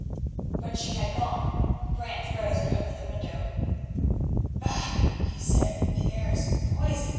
When she had gone Brant rose and opened the window. "Bah!" he said, "the air is poisoned.